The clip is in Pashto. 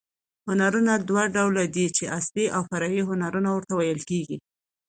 هنرونه دوه ډول دي، چي اصلي او فرعي هنرونه ورته ویل کېږي.